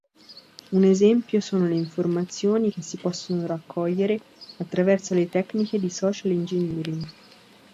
Un esempio sono le informazioni che si possono raccogliere attraverso tecniche di "social engineering".